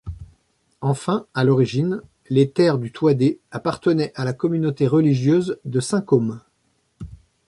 Enfin, à l'origine, les terres du Thouadé appartenaient à la communauté religieuse de Saint-Cosme.